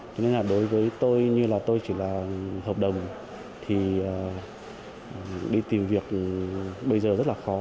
cho nên là đối với tôi như là tôi chỉ là hợp đồng thì đi tìm việc bây giờ rất là khó